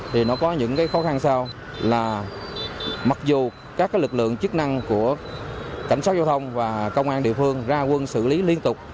thì nó có những khó khăn sau là mặc dù các lực lượng chức năng của cảnh sát giao thông và công an địa phương ra quân xử lý liên tục